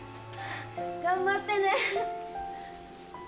頑張ってね。